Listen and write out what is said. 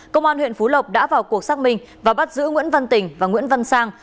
công an huyện phú lộc đã vào cuộc xác minh và bắt giữ nguyễn văn tình và nguyễn văn sang